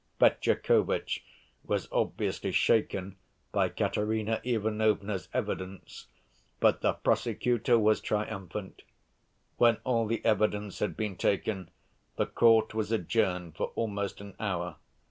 Fetyukovitch was obviously shaken by Katerina Ivanovna's evidence. But the prosecutor was triumphant. When all the evidence had been taken, the court was adjourned for almost an hour.